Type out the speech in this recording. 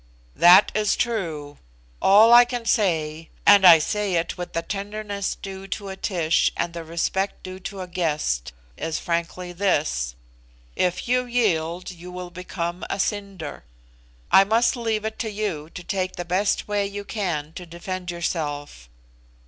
"That is true. All I can say, and I say it with the tenderness due to a Tish, and the respect due to a guest, is frankly this if you yield, you will become a cinder. I must leave it to you to take the best way you can to defend yourself.